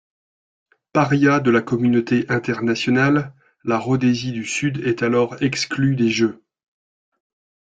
Paria de la communauté internationale, la Rhodésie du Sud est alors exclue des Jeux.